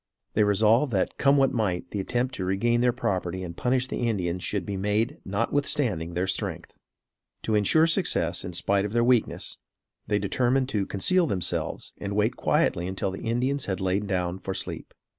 They resolved that come what might the attempt to regain their property and punish the Indians should be made notwithstanding their strength. To insure success in spite of their weakness, they determined to conceal themselves and wait quietly until the Indians had lain down for sleep.